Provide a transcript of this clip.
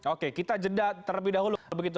oke kita jeda terlebih dahulu begitu